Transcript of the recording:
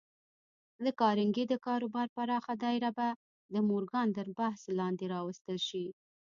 د کارنګي د کاروبار پراخه دايره به د مورګان تر چت لاندې راوستل شي.